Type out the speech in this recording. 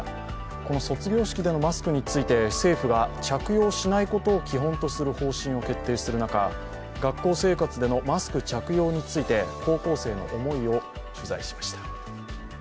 この卒業式でのマスクについて、政府が着用しないこととする方針を決定した中、学校生活でのマスク着用について高校生の思いを取材しました。